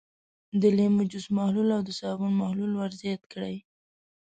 د لیمو جوس محلول او د صابون محلول ور زیات کړئ.